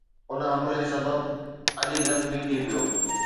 ان حملي سبب علي زخمي ٿي پيو